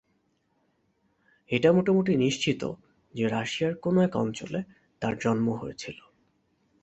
এটা মোটামুটি নিশ্চিত যে রাশিয়ার কোন এক অঞ্চলে তার জন্ম হয়েছিল।